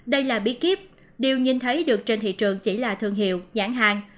đây là bí kíp điều nhìn thấy được trên thị trường chỉ là thương hiệu nhãn hàng